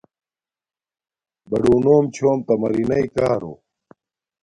بڑݸنݸم چھݸم تݳ مَرِنݳئی کݳرݸ.